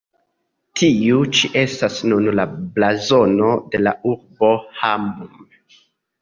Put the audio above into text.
Tiu ĉi estas nun la blazono de la urbo Hamm.